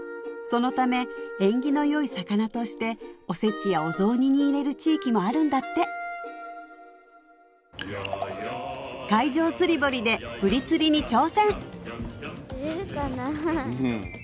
そのため縁起のよい魚としておせちやお雑煮に入れる地域もあるんだって海上釣り堀でブリ釣りに挑戦釣れるかな？